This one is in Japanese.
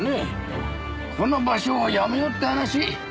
この場所をやめようって話。